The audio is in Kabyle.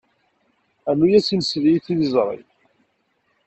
Rnu-as imesli i tliẓri.